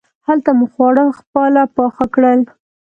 هلته مو خواړه خپله پاخه کړل.